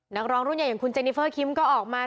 นักร้องรุ่นใหญ่อย่างคุณเจนิเฟอร์คิมก็ออกมา